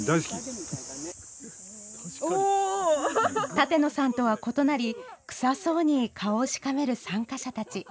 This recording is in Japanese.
舘野さんとは異なり臭そうに顔をしかめる参加者たち。